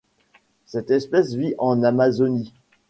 Cette espèce vit en Amazonie.